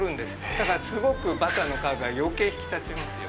だから、すごくバターの香りが余計引き立ちますよ。